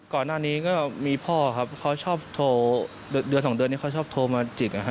ก่อนหน้านี้ก็มีพ่อครับเขาชอบโทรเดือนสองเดือนนี้เขาชอบโทรมาจิก